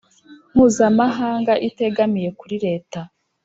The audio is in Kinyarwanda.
mpuzamahanga itegamiye kuri Leta